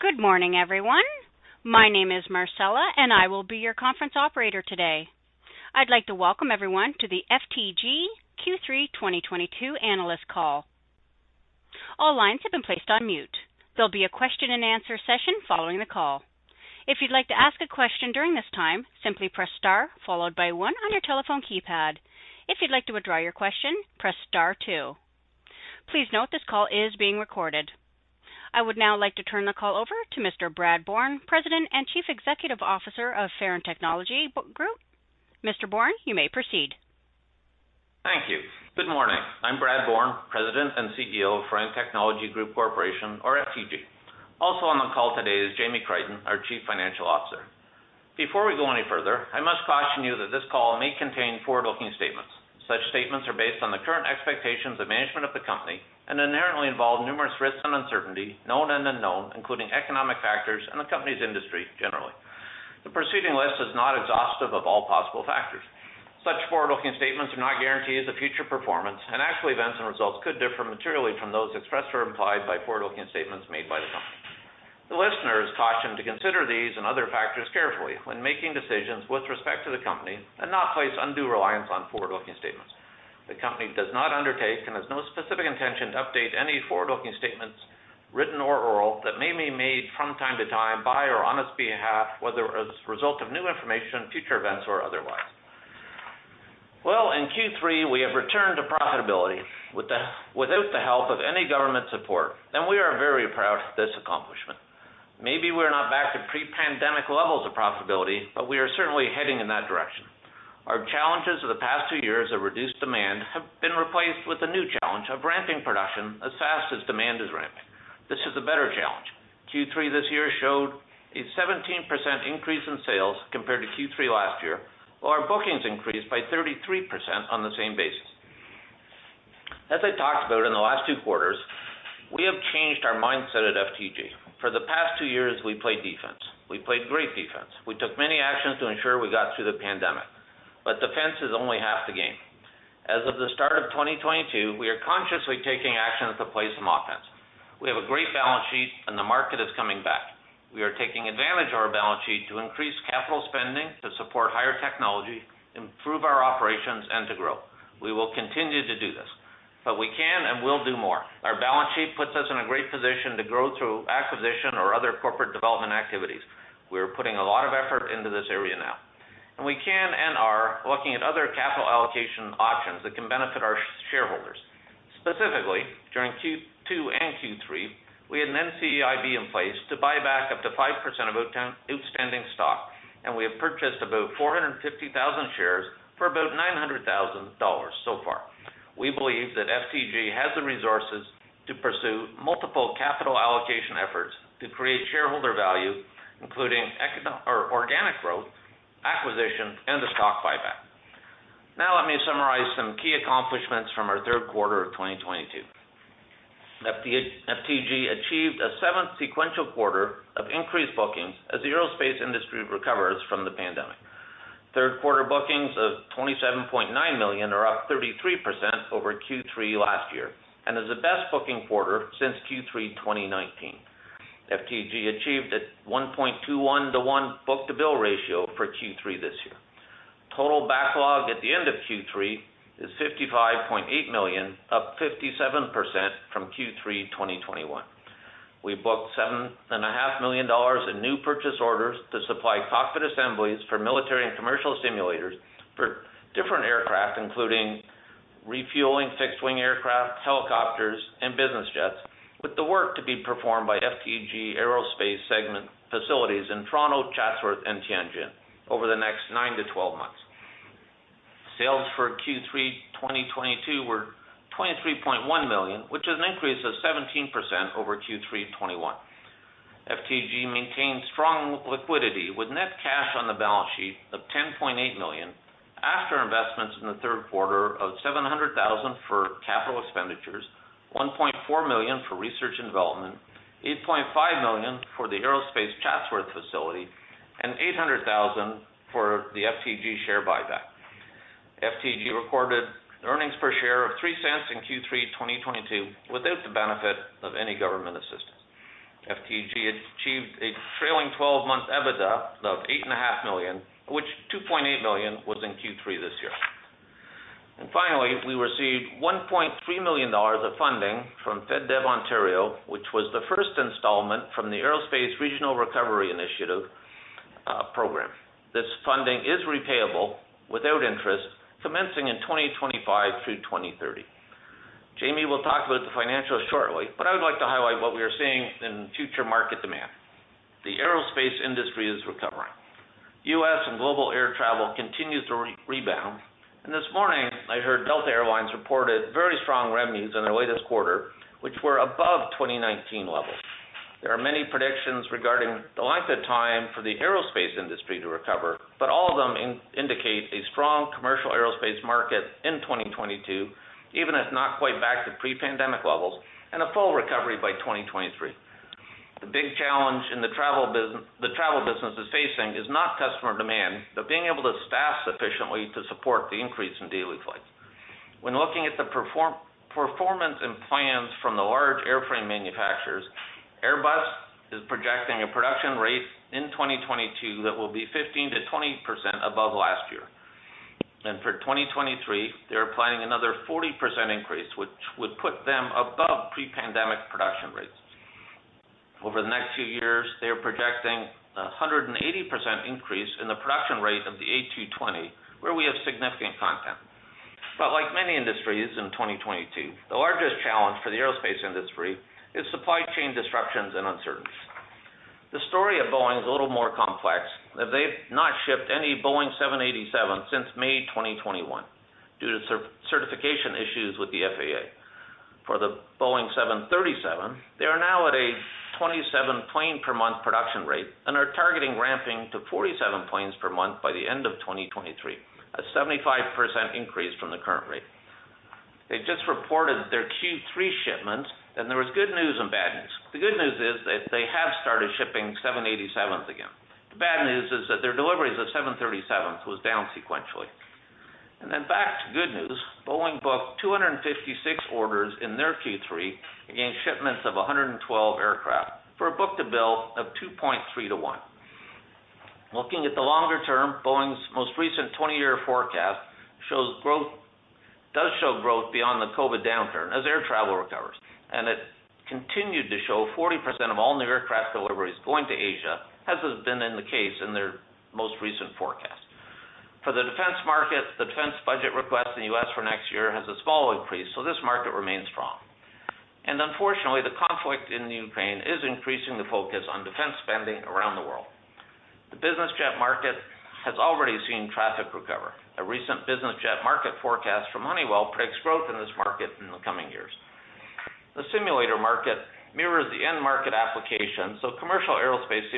Good morning, everyone. My name is Marcella, and I will be your conference operator today. I'd like to welcome everyone to the FTG Q3 2022 analyst call. All lines have been placed on mute. There'll be a Q&A session following the call. If you'd like to ask a question during this time, simply press star followed by one on your telephone keypad. If you'd like to withdraw your question, press star two. Please note this call is being recorded. I would now like to turn the call over to Mr. Brad Bourne, President and Chief Executive Officer of Firan Technology Group. Mr. Bourne, you may proceed. Thank you. Good morning. I'm Brad Bourne, President and CEO of Firan Technology Group Corporation or FTG. Also on the call today is Jamie Crichton, our Chief Financial Officer. Before we go any further, I must caution you that this call may contain forward-looking statements. Such statements are based on the current expectations of management of the company and inherently involve numerous risks and uncertainty, known and unknown, including economic factors and the company's industry generally. The preceding list is not exhaustive of all possible factors. Such forward-looking statements are not guarantees of future performance, and actual events and results could differ materially from those expressed or implied by forward-looking statements made by the company. The listener is cautioned to consider these and other factors carefully when making decisions with respect to the company and not place undue reliance on forward-looking statements. The company does not undertake and has no specific intention to update any forward-looking statements, written or oral, that may be made from time to time by or on its behalf, whether as a result of new information, future events or otherwise. Well, in Q3 we have returned to profitability without the help of any government support, and we are very proud of this accomplishment. Maybe we're not back to pre-pandemic levels of profitability, but we are certainly heading in that direction. Our challenges of the past two years of reduced demand have been replaced with a new challenge of ramping production as fast as demand is ramping. This is a better challenge. Q3 this year showed a 17% increase in sales compared to Q3 last year, while our bookings increased by 33% on the same basis. As I talked about in the last two quarters, we have changed our mindset at FTG. For the past two years, we played defense. We played great defense. We took many actions to ensure we got through the pandemic, but defense is only half the game. As of the start of 2022, we are consciously taking actions to play some offense. We have a great balance sheet and the market is coming back. We are taking advantage of our balance sheet to increase capital spending to support higher technology, improve our operations and to grow. We will continue to do this, but we can and will do more. Our balance sheet puts us in a great position to grow through acquisition or other corporate development activities. We are putting a lot of effort into this area now, and we can and are looking at other capital allocation options that can benefit our shareholders. Specifically, during Q2 and Q3, we had an NCIB in place to buy back up to 5% of outstanding stock, and we have purchased about 450,000 shares for about 900,000 dollars so far. We believe that FTG has the resources to pursue multiple capital allocation efforts to create shareholder value, including or organic growth, acquisition and the stock buyback. Now let me summarize some key accomplishments from our Q3 of 2022. FTG achieved a seventh sequential quarter of increased bookings as the aerospace industry recovers from the pandemic. Q3 bookings of 27.9 million are up 33% over Q3 last year and is the best booking quarter since Q3 2019. FTG achieved a 1.21-1 book-to-bill ratio for Q3 this year. Total backlog at the end of Q3 is 55.8 million, up 57% from Q3 2021. We booked 7.5 million dollars in new purchase orders to supply cockpit assemblies for military and commercial simulators for different aircraft, including refueling fixed-wing aircraft, helicopters and business jets, with the work to be performed by FTG Aerospace segment facilities in Toronto, Chatsworth and Tianjin over the next nine-12 months. Sales for Q3 2022 were 23.1 million, which is an increase of 17% over Q3 2021. FTG maintained strong liquidity with net cash on the balance sheet of 10.8 million after investments in the Q3 of 700,000 for capital expenditures, 1.4 million for research and development, 8.5 million for the aerospace Chatsworth facility and 800,000 for the FTG share buyback. FTG recorded earnings per share of 0.03 in Q3 2022 without the benefit of any government assistance. FTG achieved a trailing 12-month EBITDA of 8.5 million, which 2.8 million was in Q3 this year. Finally, we received 1.3 million dollars of funding from FedDev Ontario, which was the first installment from the Aerospace Regional Recovery Initiative program. This funding is repayable without interest, commencing in 2025 through 2030. Jamie will talk about the financials shortly, but I would like to highlight what we are seeing in future market demand. The aerospace industry is recovering. U.S. and global air travel continues to rebound. This morning I heard Delta Air Lines reported very strong revenues in their latest quarter, which were above 2019 levels. There are many predictions regarding the length of time for the aerospace industry to recover, but all of them indicate a strong commercial aerospace market in 2022, even if not quite back to pre-pandemic levels and a full recovery by 2023. The big challenge in the travel business is facing is not customer demand, but being able to staff sufficiently to support the increase in daily flights. When looking at the performance and plans from the large airframe manufacturers, Airbus is projecting a production rate in 2022 that will be 15%-20% above last year. For 2023, they are planning another 40% increase, which would put them above pre-pandemic production rates. Over the next few years, they are projecting 180% increase in the production rate of the A220, where we have significant content. Like many industries in 2022, the largest challenge for the aerospace industry is supply chain disruptions and uncertainty. The story of Boeing is a little more complex, as they've not shipped any Boeing 787 since May 2021 due to certification issues with the FAA. For the Boeing 737, they are now at a 27 plane per month production rate and are targeting ramping to 47 planes per month by the end of 2023, a 75% increase from the current rate. They just reported their Q3 shipments, and there was good news and bad news. The good news is that they have started shipping 787s again. The bad news is that their deliveries of 737s was down sequentially. back to good news, Boeing booked 256 orders in their Q3 against shipments of 112 aircraft for a book-to-bill of 2.3-1. Looking at the longer term, Boeing's most recent twenty-year forecast shows growth beyond the COVID downturn as air travel recovers, and it continued to show 40% of all new aircraft deliveries going to Asia, as has been the case in their most recent forecast. For the defense market, the defense budget request in the U.S. for next year has a small increase, so this market remains strong. Unfortunately, the conflict in Ukraine is increasing the focus on defense spending around the world. The business jet market has already seen traffic recover. A recent business jet market forecast from Honeywell predicts growth in this market in the coming years. The simulator market mirrors the end market application, so commercial aerospace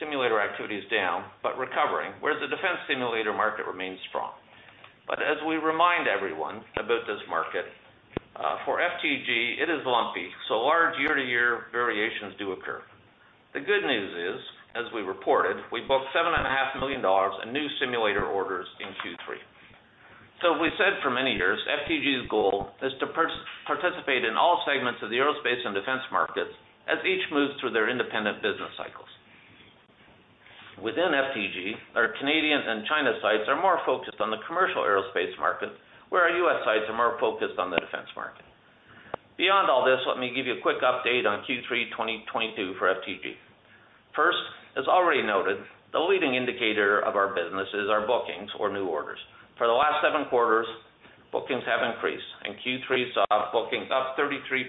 simulator activity is down but recovering, whereas the defense simulator market remains strong. As we remind everyone about this market, for FTG, it is lumpy, so large year-to-year variations do occur. The good news is, as we reported, we booked 7.5 million dollars In new simulator orders in Q3. We said for many years, FTG's goal is to participate in all segments of the aerospace and defense markets as each moves through their independent business cycles. Within FTG, our Canadian and China sites are more focused on the commercial aerospace market, where our U.S. sites are more focused on the defense market. Beyond all this, let me give you a quick update on Q3 2022 for FTG. First, as already noted, the leading indicator of our business is our bookings or new orders. For the last seven quarters, bookings have increased, and Q3 saw bookings up 33%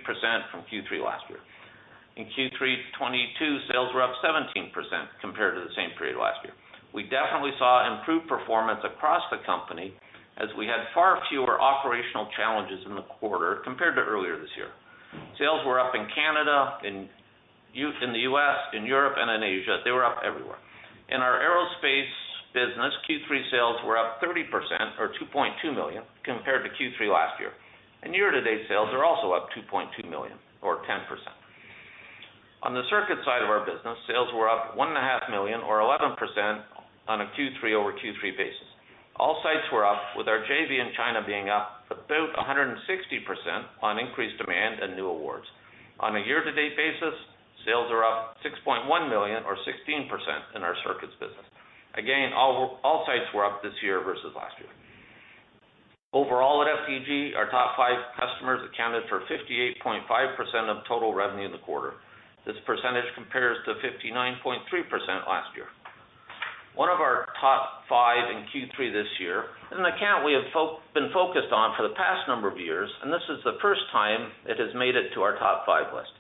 from Q3 last year. In Q3 2022, sales were up 17% compared to the same period last year. We definitely saw improved performance across the company as we had far fewer operational challenges in the quarter compared to earlier this year. Sales were up in Canada, in the U.S., in Europe, and in Asia. They were up everywhere. In our aerospace business, Q3 sales were up 30% or 2.2 million compared to Q3 last year. Year-to-date sales are also up 2.2 million or 10%. On the circuit side of our business, sales were up 1.5 million or 11% on a Q3-over-Q3 basis. All sites were up, with our JV in China being up about 160% on increased demand and new awards. On a year-to-date basis, sales are up 6.1 million or 16% in our circuits business. Again, all sites were up this year versus last year. Overall, at FTG, our top five customers accounted for 58.5% of total revenue in the quarter. This percentage compares to 59.3% last year. One of our top five in Q3 this year is an account we have been focused on for the past number of years, and this is the first time it has made it to our top five list.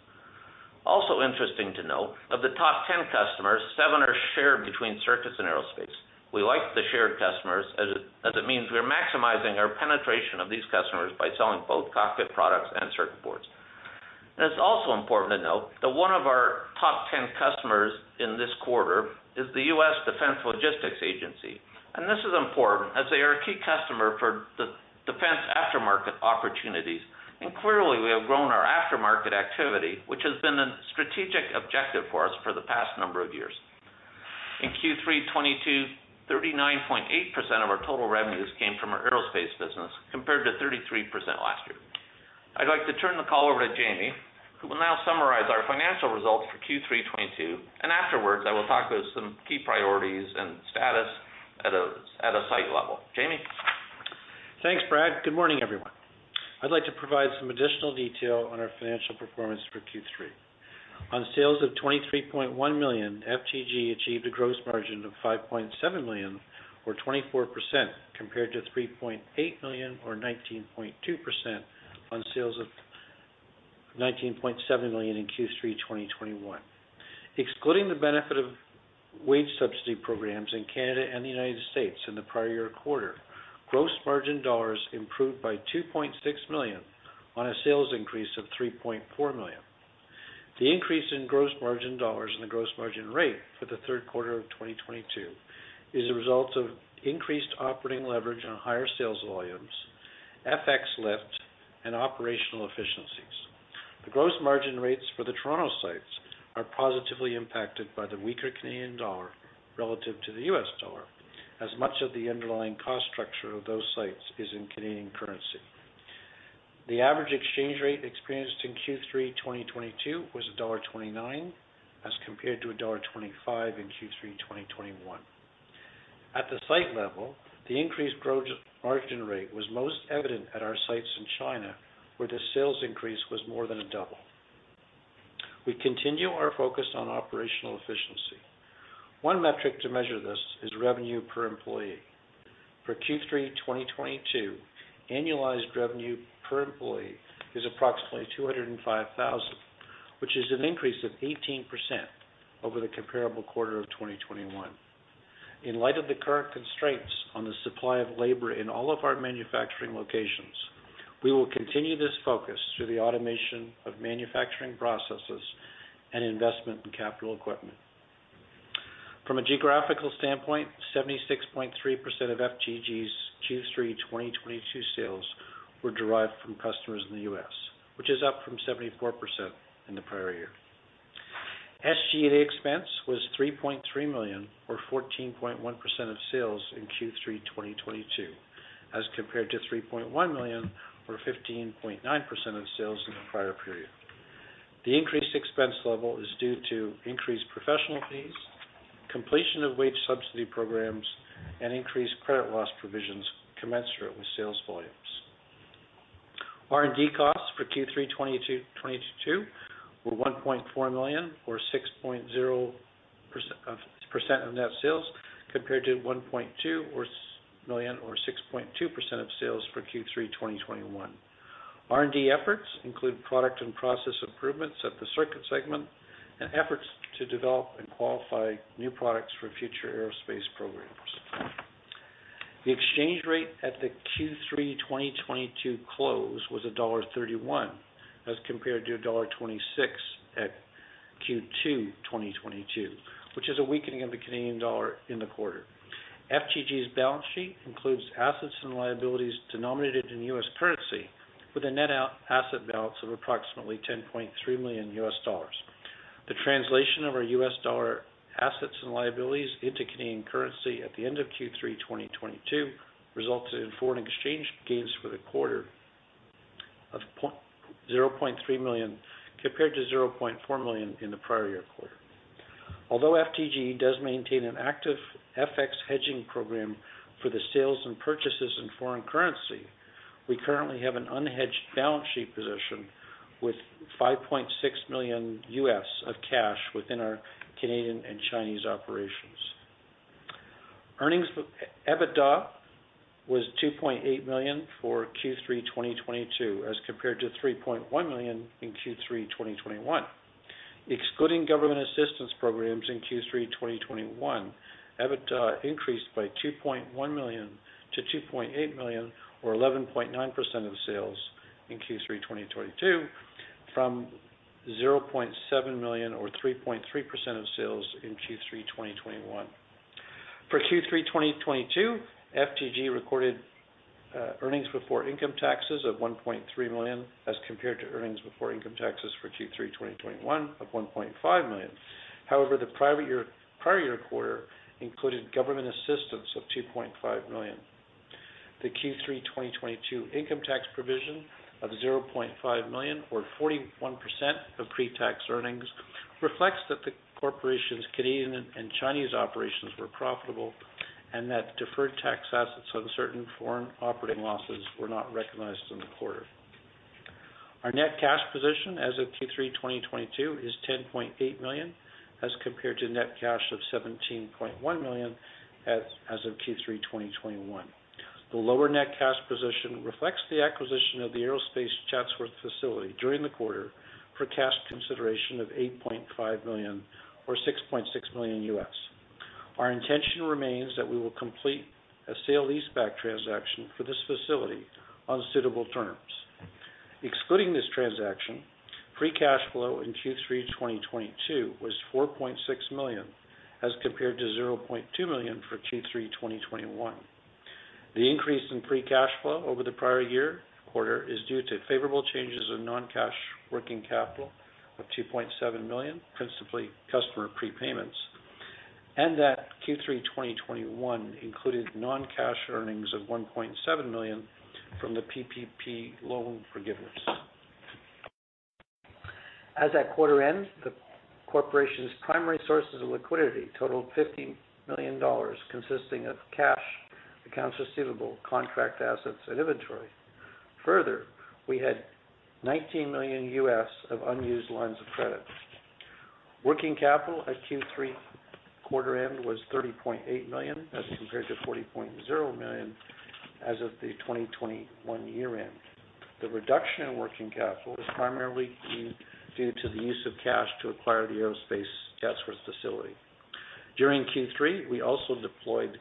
Also interesting to note, of the top ten customers, seven are shared between circuits and aerospace. We like the shared customers as it means we are maximizing our penetration of these customers by selling both cockpit products and circuit boards. It's also important to note that one of our top 10 customers in this quarter is the U.S. Defense Logistics Agency. This is important as they are a key customer for the defense aftermarket opportunities. Clearly, we have grown our aftermarket activity, which has been a strategic objective for us for the past number of years. In Q3 2022, 39.8% of our total revenues came from our aerospace business, compared to 33% last year. I'd like to turn the call over to Jamie, who will now summarize our financial results for Q3 2022, and afterwards, I will talk about some key priorities and status at a site level. Jamie? Thanks, Brad. Good morning, everyone. I'd like to provide some additional detail on our financial performance for Q3. On sales of 23.1 million, FTG achieved a gross margin of 5.7 million or 24% compared to 3.8 million or 19.2% on sales of 19.7 million in Q3 2021. Excluding the benefit of wage subsidy programs in Canada and the United States in the prior year quarter, gross margin dollars improved by 2.6 million on a sales increase of 3.4 million. The increase in gross margin dollars and the gross margin rate for the Q3 of 2022 is a result of increased operating leverage on higher sales volumes, FX lift, and operational efficiencies. The gross margin rates for the Toronto sites are positively impacted by the weaker Canadian dollar relative to the U.S. dollar, as much of the underlying cost structure of those sites is in Canadian currency. The average exchange rate experienced in Q3 2022 was dollar 1.29, as compared to dollar 1.25 in Q3 2021. At the site level, the increased gross margin rate was most evident at our sites in China, where the sales increase was more than double. We continue our focus on operational efficiency. One metric to measure this is revenue per employee. For Q3 2022, annualized revenue per employee is approximately 205,000, which is an increase of 18% over the comparable quarter of 2021. In light of the current constraints on the supply of labor in all of our manufacturing locations, we will continue this focus through the automation of manufacturing processes and investment in capital equipment. From a geographical standpoint, 76.3% of FTG's Q3 2022 sales were derived from customers in the U.S., which is up from 74% in the prior year. SG&A expense was 3.3 million, or 14.1% of sales in Q3 2022, as compared to 3.1 million, or 15.9% of sales in the prior period. The increased expense level is due to increased professional fees, completion of wage subsidy programs, and increased credit loss provisions commensurate with sales volumes. R&D costs for Q3 2022 were 1.4 million, or 6.0% of net sales, compared to 1.2 million, or 6.2% of sales for Q3 2021. R&D efforts include product and process improvements at the Circuit segment and efforts to develop and qualify new products for future aerospace programs. The exchange rate at the Q3 2022 close was dollar 1.31, as compared to dollar 1.26 at Q2 2022, which is a weakening of the Canadian dollar in the quarter. FTG's balance sheet includes assets and liabilities denominated in U.S. currency, with a net out asset balance of approximately $10.3 million. The translation of our U.S. dollar assets and liabilities into Canadian currency at the end of Q3 2022 resulted in foreign exchange gains for the quarter of 0.3 million, compared to 0.4 million in the prior year quarter. Although FTG does maintain an active FX hedging program for the sales and purchases in foreign currency, we currently have an unhedged balance sheet position with $5.6 million of cash within our Canadian and Chinese operations. EBITDA was 2.8 million for Q3 2022, as compared to 3.1 million in Q3 2021. Excluding government assistance programs in Q3 2021, EBITDA increased by 2.1 million-2.8 million, or 11.9% of sales in Q3 2022, from 0.7 million or 3.3% of sales in Q3 2021. For Q3 2022, FTG recorded earnings before income taxes of 1.3 million, as compared to earnings before income taxes for Q3 2021 of 1.5 million. However, the prior year quarter included government assistance of 2.5 million. The Q3 2022 income tax provision of 0.5 million, or 41% of pre-tax earnings, reflects that the corporation's Canadian and Chinese operations were profitable, and that deferred tax assets on certain foreign operating losses were not recognized in the quarter. Our net cash position as of Q3 2022 is 10.8 million, as compared to net cash of 17.1 million as of Q3 2021. The lower net cash position reflects the acquisition of the Aerospace Chatsworth facility during the quarter for cash consideration of 8.5 million, or $6.6 million. Our intention remains that we will complete a sale-leaseback transaction for this facility on suitable terms. Excluding this transaction, free cash flow in Q3 2022 was 4.6 million, as compared to 0.2 million for Q3 2021. The increase in free cash flow over the prior year quarter is due to favorable changes in non-cash working capital of 2.7 million, principally customer prepayments, and that Q3 2021 included non-cash earnings of 1.7 million from the PPP loan forgiveness. As at quarter end, the corporation's primary sources of liquidity totaled 50 million dollars, consisting of cash, accounts receivable, contract assets, and inventory. Further, we had $19 million of unused lines of credit. Working capital at Q3 quarter end was 30.8 million, as compared to 40.0 million as of the 2021 year end. The reduction in working capital was primarily due to the use of cash to acquire the Aerospace Chatsworth facility. During Q3, we also deployed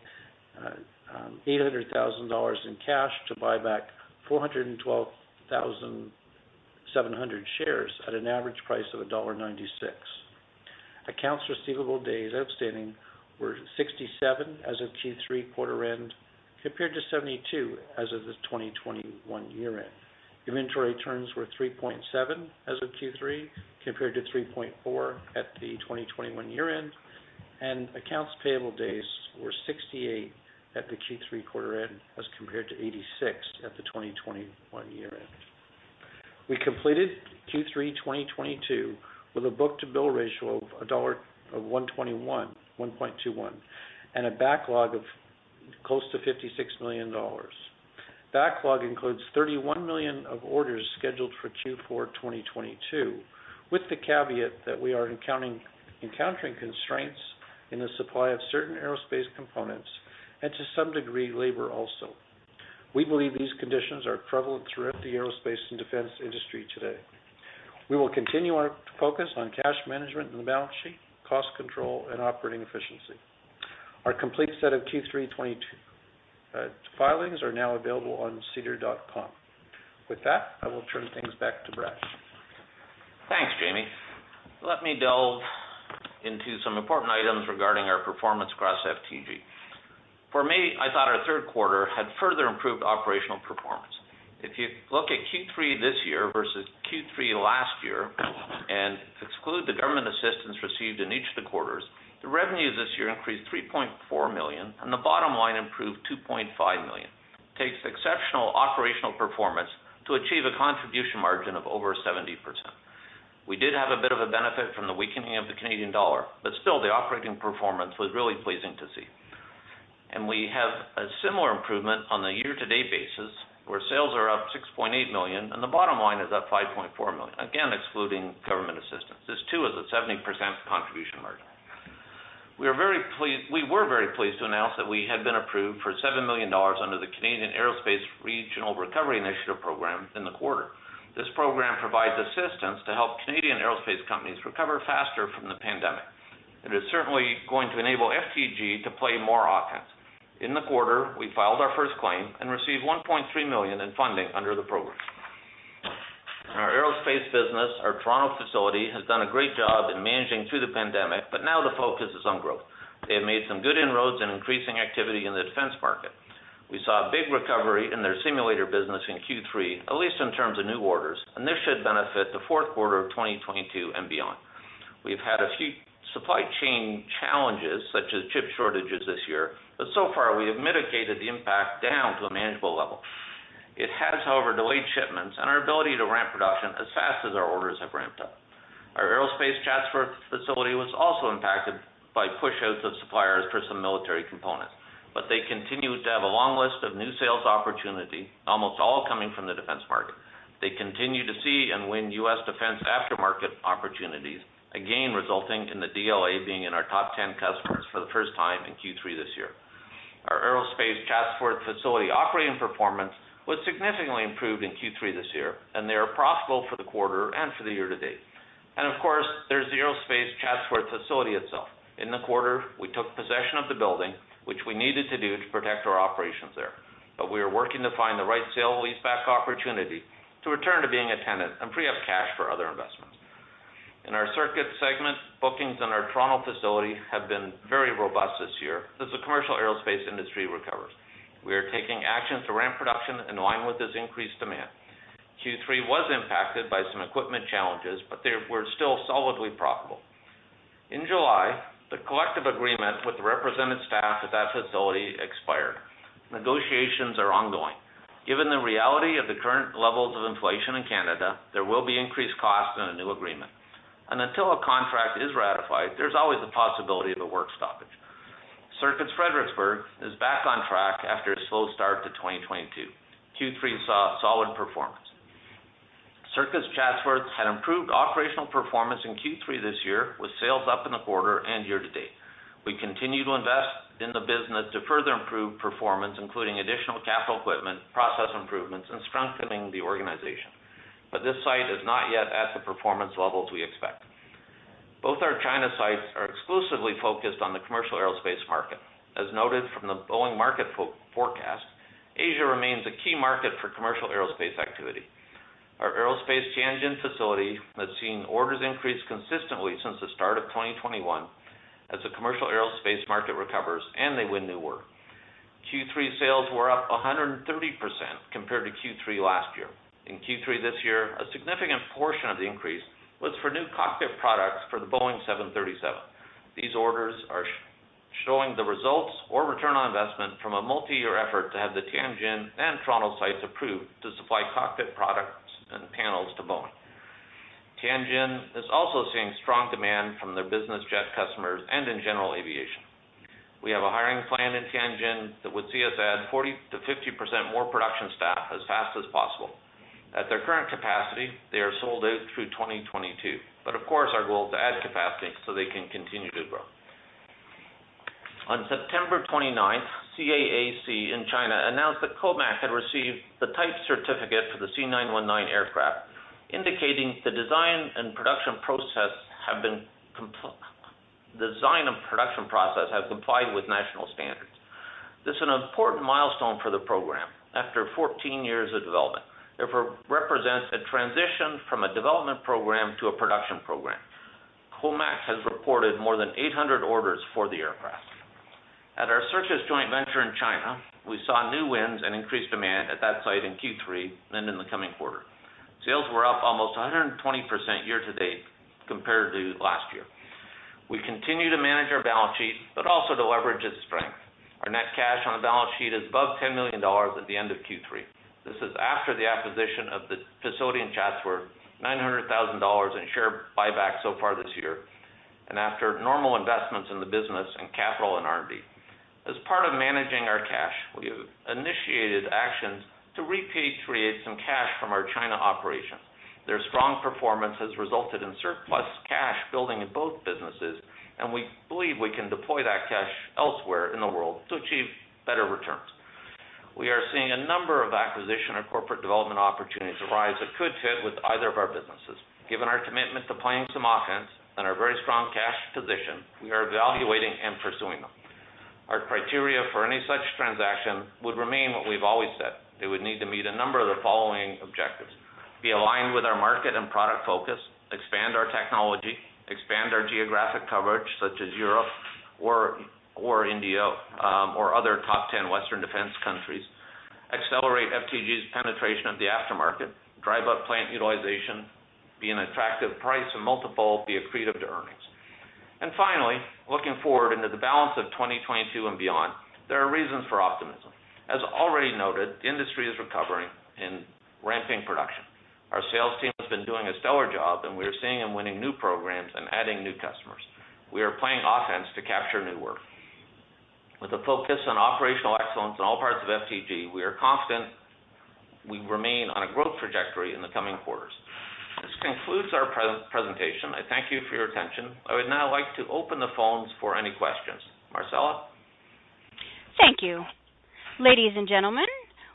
800,000 dollars in cash to buy back 412,700 shares at an average price of dollar 1.96. Accounts receivable days outstanding were 67 as of Q3 quarter-end, compared to 72 as of the 2021 year-end. Inventory turns were 3.7 as of Q3, compared to 3.4 at the 2021 year-end. Accounts payable days were 68 at the Q3 quarter-end, as compared to 86 at the 2021 year-end. We completed Q3 2022 with a book-to-bill ratio of 1.21 dollar and a backlog of close to 56 million dollars. Backlog includes 31 million of orders scheduled for Q4 2022, with the caveat that we are encountering constraints in the supply of certain aerospace components and to some degree, labor also. We believe these conditions are prevalent throughout the aerospace and defense industry today. We will continue our focus on cash management and the balance sheet, cost control, and operating efficiency. Our complete set of Q3 2022 filings are now available on SEDAR. With that, I will turn things back to Brad. Thanks, Jamie. Let me delve into some important items regarding our performance across FTG. For me, I thought our Q3 had further improved operational performance. If you look at Q3 this year versus Q3 last year and exclude the government assistance received in each of the quarters, the revenues this year increased 3.4 million, and the bottom line improved 2.5 million. Takes exceptional operational performance to achieve a contribution margin of over 70%. We did have a bit of a benefit from the weakening of the Canadian dollar, but still, the operating performance was really pleasing to see. We have a similar improvement on the year-to-date basis, where sales are up 6.8 million, and the bottom line is up 5.4 million, again, excluding government assistance. This too is a 70% contribution margin. We were very pleased to announce that we had been approved for 7 million dollars under the Canadian Aerospace Regional Recovery Initiative program in the quarter. This program provides assistance to help Canadian aerospace companies recover faster from the pandemic. It is certainly going to enable FTG to play more offense. In the quarter, we filed our first claim and received 1.3 million in funding under the program. In our aerospace business, our Toronto facility has done a great job in managing through the pandemic, but now the focus is on growth. They have made some good inroads in increasing activity in the defense market. We saw a big recovery in their simulator business in Q3, at least in terms of new orders, and this should benefit the Q4 of 2022 and beyond. We've had a few supply chain challenges, such as chip shortages this year, but so far we have mitigated the impact down to a manageable level. It has, however, delayed shipments and our ability to ramp production as fast as our orders have ramped up. Our Aerospace Chatsworth facility was also impacted by push-outs of suppliers for some military components, but they continue to have a long list of new sales opportunity, almost all coming from the defense market. They continue to see and win U.S. Defense aftermarket opportunities, again, resulting in the DLA being in our top 10 customers for the first time in Q3 this year. Our Aerospace Chatsworth facility operating performance was significantly improved in Q3 this year, and they are profitable for the quarter and for the year to date. Of course, there's the Aerospace Chatsworth facility itself. In the quarter, we took possession of the building, which we needed to do to protect our operations there. We are working to find the right sale-leaseback opportunity to return to being a tenant and free up cash for other investments. In our Circuits segment, bookings in our Toronto facility have been very robust this year as the commercial aerospace industry recovers. We are taking actions to ramp production in line with this increased demand. Q3 was impacted by some equipment challenges, but they were still solidly profitable. In July, the collective agreement with the represented staff at that facility expired. Negotiations are ongoing. Given the reality of the current levels of inflation in Canada, there will be increased costs in a new agreement. Until a contract is ratified, there's always the possibility of a work stoppage. Circuits Fredericksburg is back on track after a slow start to 2022. Q3 saw solid performance. Circuits Chatsworth had improved operational performance in Q3 this year with sales up in the quarter and year to date. We continue to invest in the business to further improve performance, including additional capital equipment, process improvements, and strengthening the organization. This site is not yet at the performance levels we expect. Both our China sites are exclusively focused on the commercial aerospace market. As noted from the Boeing market forecast, Asia remains a key market for commercial aerospace activity. Our aerospace Tianjin facility has seen orders increase consistently since the start of 2021 as the commercial aerospace market recovers and they win new work. Q3 sales were up 130% compared to Q3 last year. In Q3 this year, a significant portion of the increase was for new cockpit products for the Boeing 737. These orders are showing the results or return on investment from a multi-year effort to have the Tianjin and Toronto sites approved to supply cockpit products and panels to Boeing. Tianjin is also seeing strong demand from their business jet customers and in general aviation. We have a hiring plan in Tianjin that would see us add 40%-50% more production staff as fast as possible. At their current capacity, they are sold out through 2022. Of course, our goal is to add capacity so they can continue to grow. On September 29th, CAAC in China announced that Comac had received the type certificate for the C919 aircraft, indicating the design and production process have complied with national standards. This is an important milestone for the program after 14 years of development. It represents a transition from a development program to a production program. Comac has reported more than 800 orders for the aircraft. At our Circuits joint venture in China, we saw new wins and increased demand at that site in Q3 and in the coming quarter. Sales were up almost 120% year-to-date compared to last year. We continue to manage our balance sheet but also to leverage its strength. Our net cash on the balance sheet is above 10 million dollars at the end of Q3. This is after the acquisition of the facility in Chatsworth, 900,000 dollars in share buyback so far this year, and after normal investments in the business and CapEx in R&D. As part of managing our cash, we have initiated actions to repatriate some cash from our China operations. Their strong performance has resulted in surplus cash building in both businesses, and we believe we can deploy that cash elsewhere in the world to achieve better returns. We are seeing a number of acquisition and corporate development opportunities arise that could fit with either of our businesses. Given our commitment to playing some offense and our very strong cash position, we are evaluating and pursuing them. Our criteria for any such transaction would remain what we've always said. It would need to meet a number of the following objectives: be aligned with our market and product focus, expand our technology, expand our geographic coverage, such as Europe or India or other top 10 Western defense countries, accelerate FTG's penetration of the aftermarket, drive up plant utilization, be an attractive price and multiple, be accretive to earnings. Finally, looking forward into the balance of 2022 and beyond, there are reasons for optimism. As already noted, the industry is recovering and ramping production. Our sales team has been doing a stellar job, and we are seeing them winning new programs and adding new customers. We are playing offense to capture new work. With a focus on operational excellence in all parts of FTG, we are confident we remain on a growth trajectory in the coming quarters. This concludes our presentation. I thank you for your attention. I would now like to open the phones for any questions. Marcella? Thank you. Ladies and gentlemen,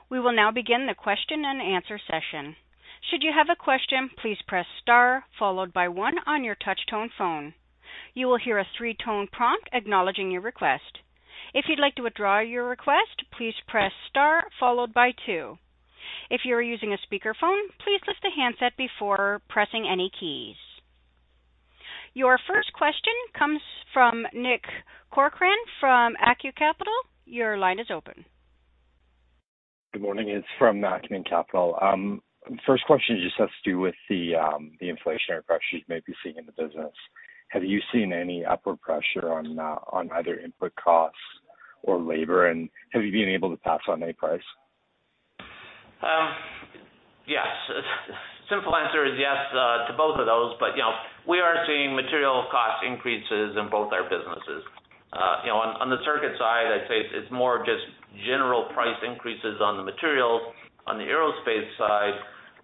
we will now begin the Q&A session. Should you have a question, please press star followed by one on your touch tone phone. You will hear a three-tone prompt acknowledging your request. If you'd like to withdraw your request, please press star followed by two. If you are using a speakerphone, please lift the handset before pressing any keys. Your first question comes from Nick Corcoran from Acumen Capital. Your line is open. Good morning. It's from Acumen Capital. First question just has to do with the inflationary pressures you may be seeing in the business. Have you seen any upward pressure on either input costs or labor, and have you been able to pass on any price? Yes. Simple answer is yes to both of those. You know, we are seeing material cost increases in both our businesses. You know, on the circuit side, I'd say it's more just general price increases on the materials. On the aerospace side,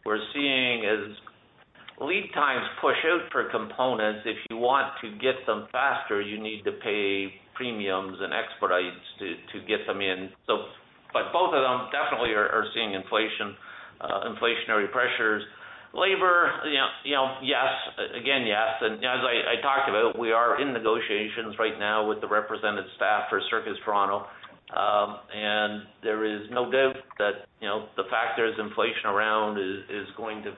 we're seeing as lead times push out for components, if you want to get them faster, you need to pay premiums and expedites to get them in. Both of them definitely are seeing inflationary pressures. Labor, you know, yes. Again, yes. You know, as I talked about, we are in negotiations right now with the represented staff for Circuits Toronto, and there is no doubt that the fact there's inflation around is going to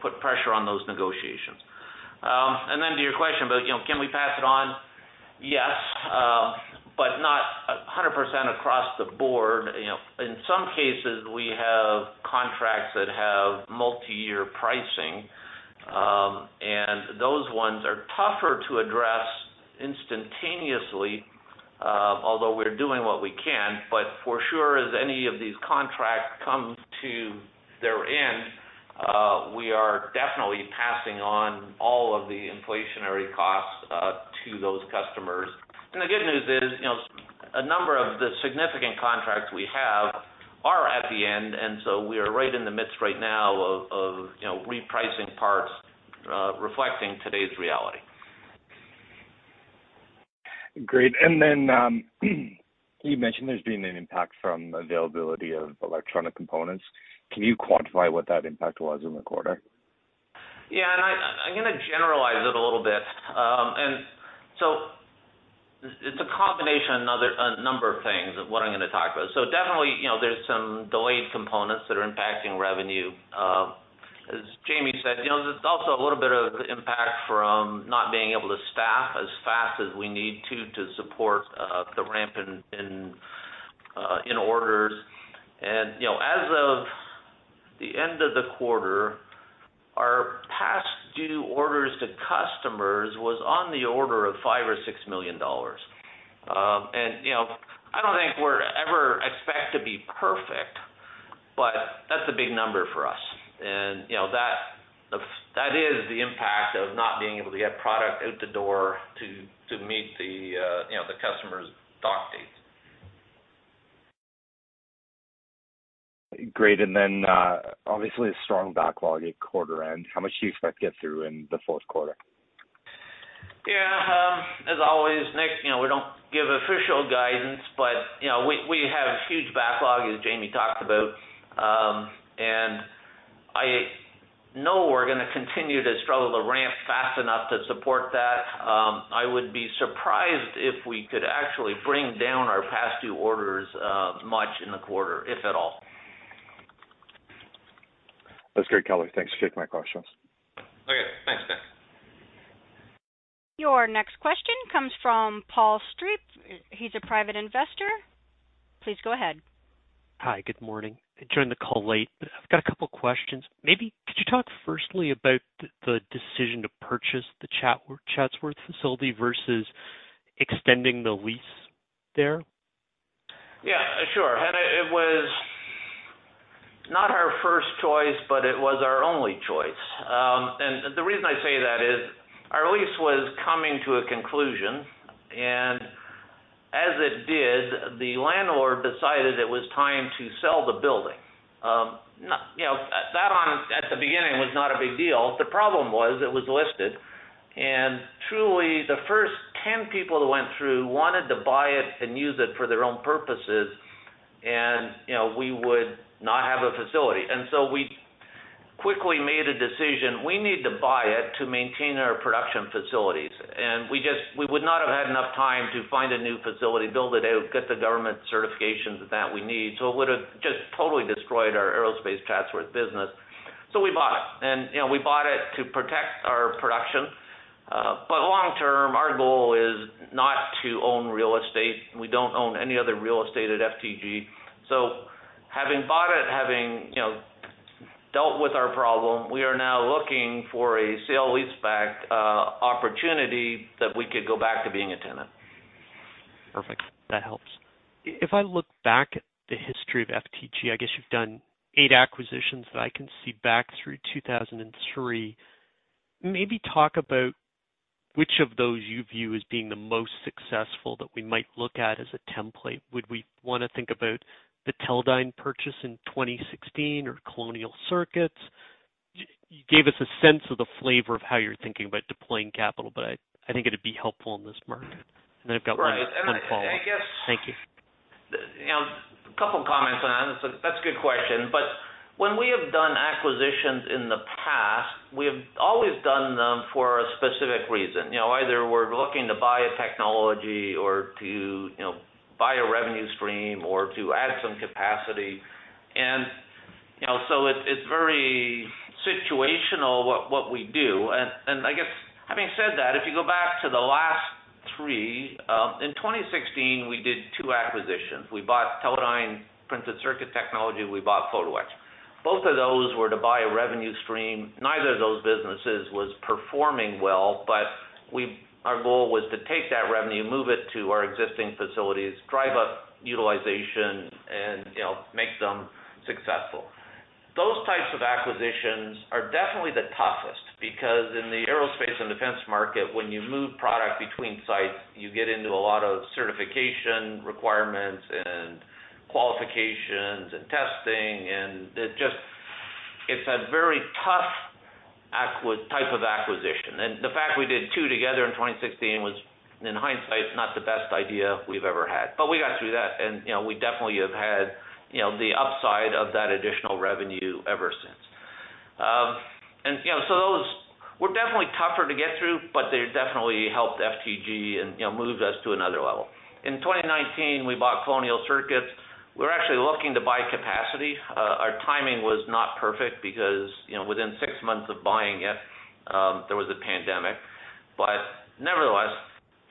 put pressure on those negotiations. to your question about, you know, can we pass it on? Yes, but not 100% across the board. You know, in some cases, we have contracts that have multiyear pricing, and those ones are tougher to address instantaneously, although we're doing what we can. For sure, as any of these contracts come to their end, we are definitely passing on all of the inflationary costs to those customers. The good news is, you know, a number of the significant contracts we have are at the end, and so we are right in the midst right now of you know, repricing parts, reflecting today's reality. Great. You mentioned there's been an impact from availability of electronic components. Can you quantify what that impact was in the quarter? Yeah. I'm gonna generalize it a little bit. It's a combination a number of things, what I'm gonna talk about. Definitely, you know, there's some delayed components that are impacting revenue, as Jamie said. You know, there's also a little bit of impact from not being able to staff as fast as we need to support the ramp in orders. You know, as of the end of the quarter, our past due orders to customers was on the order of 5 million or 6 million dollars. You know, I don't think we're ever expect to be perfect, but that's a big number for us. You know, that is the impact of not being able to get product out the door to meet the customer's dock date. Great. Obviously a strong backlog at quarter end. How much do you expect to get through in the Q4? Yeah. As always, Nick, you know, we don't give official guidance. You know, we have huge backlog, as Jamie talked about. No, we're gonna continue to struggle to ramp fast enough to support that. I would be surprised if we could actually bring down our past due orders much in the quarter, if at all. That's great, [Brad]. Thanks. Take my questions. Okay. Thanks, Ben. Your next question comes from Paul Steep. He's a Private Investor. Please go ahead. Hi. Good morning. I joined the call late, but I've got a couple questions. Maybe could you talk firstly about the decision to purchase the Chatsworth facility versus extending the lease there? Yeah, sure. It was not our first choice, but it was our only choice. The reason I say that is our lease was coming to a conclusion, and as it did, the landlord decided it was time to sell the building. You know, that, at the beginning, was not a big deal. The problem was it was listed, and truly the first 10 people that went through wanted to buy it and use it for their own purposes. You know, we would not have a facility. We quickly made a decision. We need to buy it to maintain our production facilities. We just would not have had enough time to find a new facility, build it out, get the government certifications that we need. It would've just totally destroyed our aerospace Chatsworth business. We bought it. You know, we bought it to protect our production. Long term, our goal is not to own real estate. We don't own any other real estate at FTG. Having bought it, you know, dealt with our problem, we are now looking for a sale-leaseback opportunity that we could go back to being a tenant. Perfect. That helps. If I look back at the history of FTG, I guess you've done eight acquisitions that I can see back through 2003. Maybe talk about which of those you view as being the most successful that we might look at as a template. Would we wanna think about the Teledyne purchase in 2016 or Colonial Circuits? You gave us a sense of the flavor of how you're thinking about deploying capital, but I think it'd be helpful in this market. I've got one follow-up. Thank you. You know, a couple of comments on that. That's a good question. When we have done acquisitions in the past, we have always done them for a specific reason. You know, either we're looking to buy a technology or to, you know, buy a revenue stream or to add some capacity. You know, so it's very situational what we do. I guess having said that, if you go back to the last three, in 2016, we did two acquisitions. We bought Teledyne Printed Circuit Technology, we bought PhotoEtch. Both of those were to buy a revenue stream. Neither of those businesses was performing well, but our goal was to take that revenue, move it to our existing facilities, drive up utilization, and, you know, make them successful. Those types of acquisitions are definitely the toughest, because in the aerospace and defense market, when you move product between sites, you get into a lot of certification requirements and qualifications and testing, and it just, it's a very tough type of acquisition. The fact we did two together in 2016 was, in hindsight, not the best idea we've ever had. We got through that and, you know, we definitely have had, you know, the upside of that additional revenue ever since. Those were definitely tougher to get through, but they definitely helped FTG and, you know, moved us to another level. In 2019, we bought Colonial Circuits. We're actually looking to buy capacity. Our timing was not perfect because, you know, within six months of buying it, there was a pandemic. Nevertheless,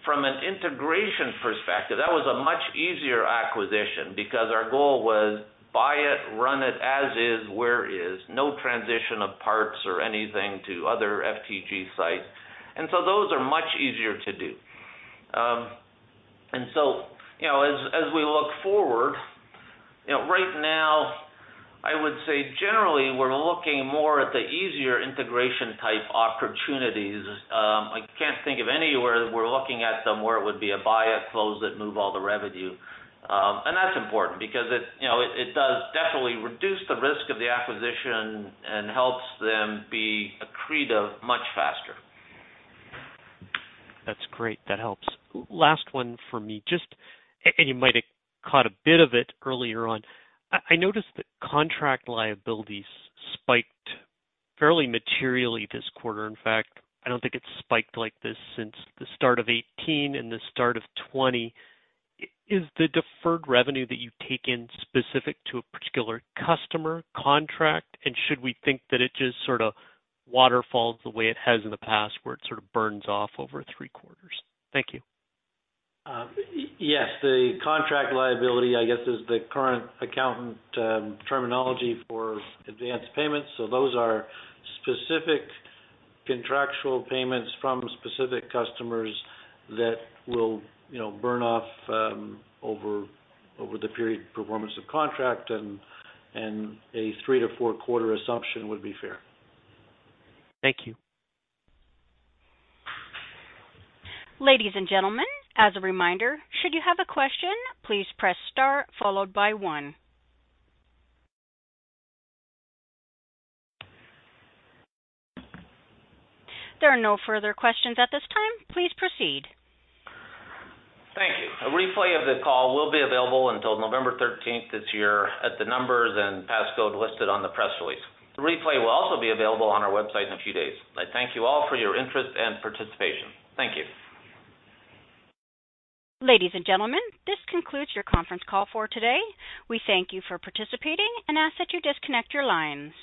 from an integration perspective, that was a much easier acquisition because our goal was buy it, run it as is, where is, no transition of parts or anything to other FTG sites. Those are much easier to do. You know, as we look forward, you know, right now, I would say generally, we're looking more at the easier integration type opportunities. I can't think of anywhere that we're looking at somewhere it would be a buy it, close it, move all the revenue. That's important because it, you know, it does definitely reduce the risk of the acquisition and helps them be accretive much faster. That's great. That helps. Last one for me, just, and you might have caught a bit of it earlier on. I noticed that contract liabilities spiked fairly materially this quarter. In fact, I don't think it's spiked like this since the start of 2018 and the start of 2020. Is the deferred revenue that you take in specific to a particular customer contract, and should we think that it just sort of waterfalls the way it has in the past where it sort of burns off over three quarters? Thank you. Yes. The contract liability, I guess, is the current accounting terminology for advance payments. Those are specific contractual payments from specific customers that will, you know, burn off over the period of performance of the contract and a Q3-Q4 assumption would be fair. Thank you. Ladies and gentlemen, as a reminder, should you have a question, please press star followed by one. There are no further questions at this time. Please proceed. Thank you. A replay of the call will be available until November 13th this year at the numbers and passcode listed on the press release. The replay will also be available on our website in a few days. I thank you all for your interest and participation. Thank you. Ladies and gentlemen, this concludes your conference call for today. We thank you for participating and ask that you disconnect your lines.